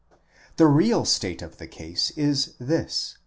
The real state of the case is this.